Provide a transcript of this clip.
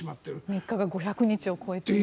３日が５００日を超えています。